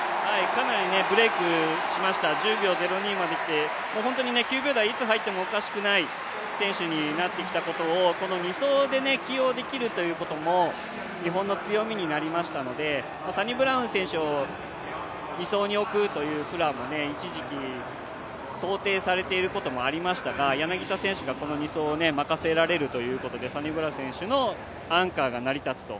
かなりブレイクしました、１０秒０２まできて、本当に９秒台いつ入ってもおかしくない選手になってきたことを、この２走で起用できるということも日本の強みになりましたのでサニブラウン選手を２走に置くというプランも一時期、想定されていることもありましたが、柳田選手がこの２走を任せられるということで、サニブラウン選手のアンカーが成り立つと。